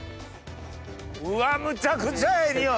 うわむちゃくちゃええ匂い！